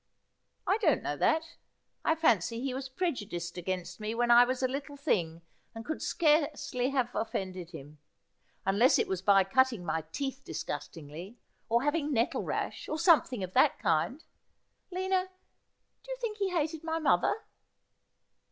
'I don't know that. I fancy he was prejudiced against me when I was a little thing and could scarcely have ofEended him ; unless it were by cutting my teeth disgustingly, or having nettle rash, or something of that kind. Lina, do you think he hated my mother